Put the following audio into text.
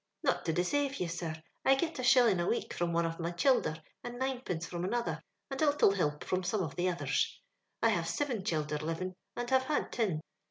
" Not to desave you, sir, I get a shillin' a week from one of my childer and uinepence from another, and a little hilp from some of tlie others. I have siven childer lirin', and have had tin.